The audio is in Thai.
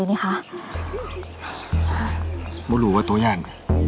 นี่ค่ะบุหรูว่าตัวย่าน